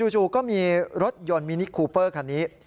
จู่ก็มีรถยนต์มินิคูเปอร์คันนี้